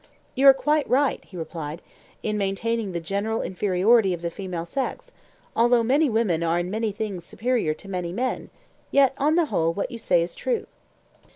You are quite right, he replied, in maintaining the general inferiority of the female sex: although many women are in many things superior to many men, yet on the whole what you say is true.